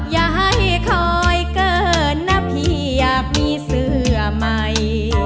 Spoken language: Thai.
อย่าให้คอยเกินนะพี่อยากมีเสื้อใหม่